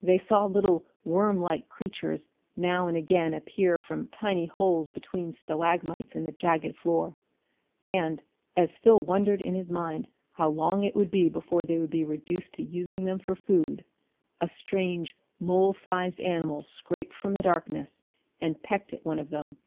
They saw little worm like creatures now and again appear from tiny holes between stalagmites in the jagged floor; and, as Phil wondered in his mind how long it would be before they would be reduced to using them for food, a strange mole sized animal scraped from the darkness and pecked at one of them.